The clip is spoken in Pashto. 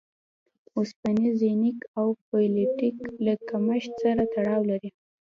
اوسپنې، زېنک او فولېټ له کمښت سره تړاو لري.